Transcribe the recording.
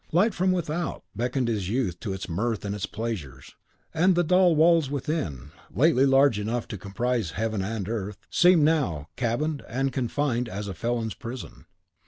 Light from without beckoned his youth to its mirth and its pleasures; and the dull walls within, lately large enough to comprise heaven and earth, seemed now cabined and confined as a felon's prison.